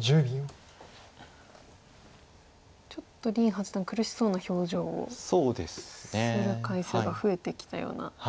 ちょっと林八段苦しそうな表情をする回数が増えてきたような。